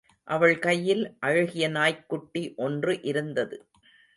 அவள் கையில் அழகிய நாய்க்குட்டி ஒன்று இருந்தது.